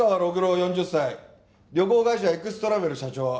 ４０歳旅行会社エクストラベル社長。